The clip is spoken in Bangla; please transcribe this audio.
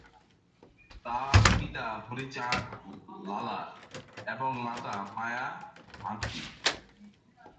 তাঁর পিতা হরি চাঁদ লালা এবং মাতা মায়া ভান্তি।